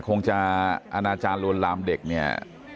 คงจะอาณาจารย์รวรรมเด็กเนี่ย